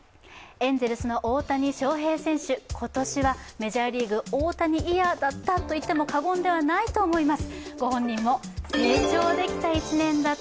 エンゼルスの大谷翔平選手、今年はメジャーリーグ、大谷イヤーだったといっても過言ではないと思います。